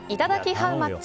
ハウマッチ。